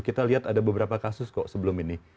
kita lihat ada beberapa kasus kok sebelum ini